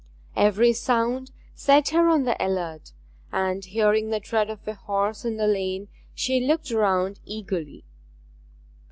Every sound set her on the alert, and hearing the tread of a horse in the lane she looked round eagerly.